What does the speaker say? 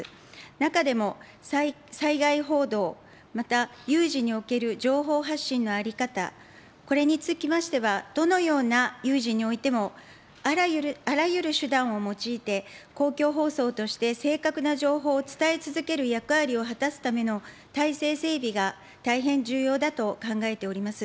中でも災害報道、また有事における情報発信の在り方、これにつきましては、どのような有事においても、あらゆる手段を用いて、公共放送として正確な情報を伝え続ける役割を果たすための体制整備が大変重要だと考えております。